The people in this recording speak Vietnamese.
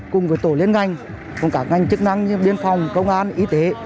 cùng với tổ liên ngành cùng các ngành chức năng như biên phòng công an y tế